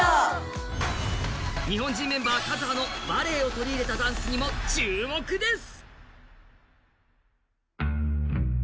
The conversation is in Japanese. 日本人メンバー、カズハのバレエを取り入れたダンスにも注目です。